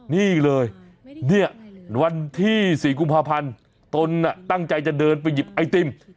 นี่เลยเนี่ยวันที่๔กุมภาพันธ์ตนตั้งใจจะเดินไปหยิบไอติม